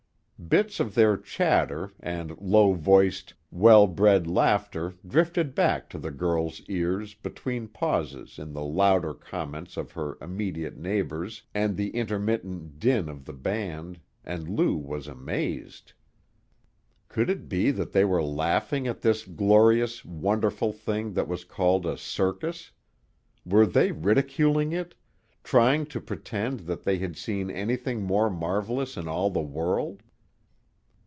Bits of their chatter, and low voiced, well bred laughter drifted back to the girl's ears between pauses in the louder comments of her immediate neighbors and the intermittent din of the band, and Lou was amazed. Could it be that they were laughing at this glorious, wonderful thing that was called a "circus?" Were they ridiculing it, trying to pretend that they had seen anything more marvelous in all the world?